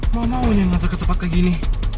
mau maunya gak terketepat kayak gini